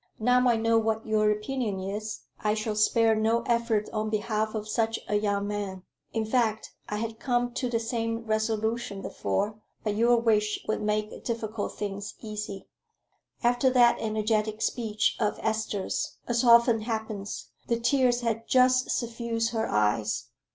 "Now I know what your opinion is, I shall spare no effort on behalf of such a young man. In fact, I had come to the same resolution before, but your wish would make difficult things easy." After that energetic speech of Esther's, as often happens, the tears had just suffused her eyes.